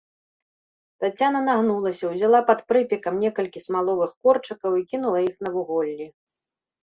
Таццяна нагнулася, узяла пад прыпекам некалькі смаловых корчыкаў і кінула іх на вуголлі.